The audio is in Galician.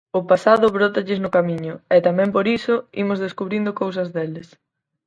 O pasado brótalles no camiño, e tamén por iso imos descubrindo cousas deles.